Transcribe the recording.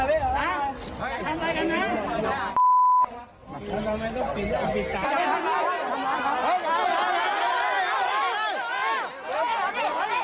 เอาด้วยเอาด้วยเอาด้วย